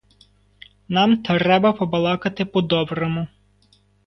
Нам треба побалакати по доброму.